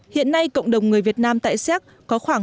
hiện nay cộng đồng người việt nam tại séc có khoảng